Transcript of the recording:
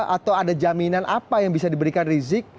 atau ada jaminan apa yang bisa diberikan rizik